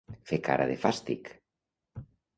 Fer cara de fàstic.